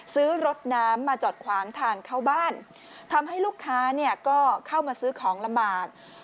ซื้อรถน้ำมาจอดขวางทางเข้าบ้านทำให้ลูกค้าเนี่ยก็เข้ามาซื้อของลำบาก